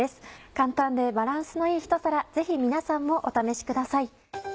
簡単でバランスのいいひと皿ぜひ皆さんもお試しください。